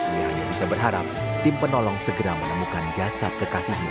ia hanya bisa berharap tim penolong segera menemukan jasad kekasihnya